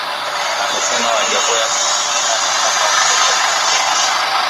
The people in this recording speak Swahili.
amesema Wajackoya Tunaonekana kama wakoloni wa China